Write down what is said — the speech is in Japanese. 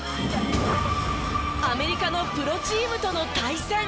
アメリカのプロチームとの対戦。